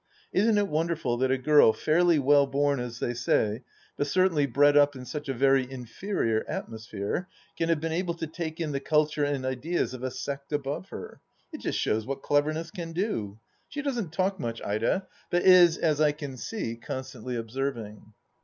Isn't it wonderful that a girl, fairly well bom as they say, but certainly bred up in such a very inferior atmosphere, can have been able to take in the culture and ideas of a sect above her ? It just shows what cleverness can do I She doesn't talk much, Ida, but is, as I can see, constantly observing.